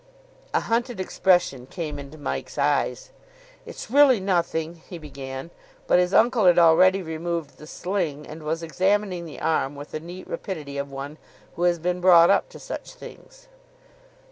A hunted expression came into Mike's eyes. "It's really nothing," he began, but his uncle had already removed the sling, and was examining the arm with the neat rapidity of one who has been brought up to such things.